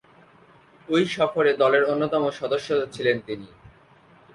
ঐ সফরে দলের অন্যতম সদস্য ছিলেন তিনি।